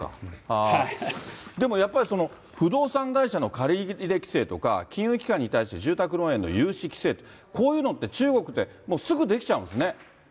でも、やっぱりふどうさんかいしゃの借り入れ規制とか、金融機関に対する住宅ローンの融資規制、こういうのって中国でもうすぐできちゃうんですね。